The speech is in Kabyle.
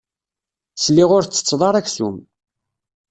Sliɣ ur tettetteḍ ara aksum.